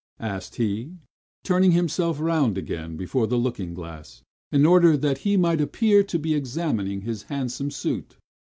asked he, turning himself round again before the looking glass, in order that he might appear to be examining his handsome suit.